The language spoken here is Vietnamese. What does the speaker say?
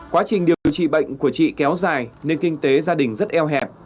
quá trình điều trị bệnh của chị kéo dài nên kinh tế gia đình rất eo hẹp